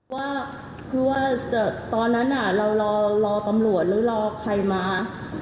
ว่าคือว่าตอนนั้นเรารอตำรวจหรือรอใครมา